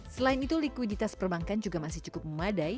selain itu likuiditas perbankan juga masih cukup memadai